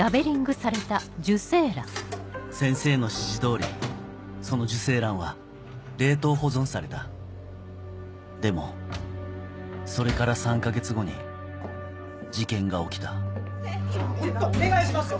先生の指示通りその受精卵は冷凍保存されたでもそれから３か月後に事件が起きたホントお願いしますよ！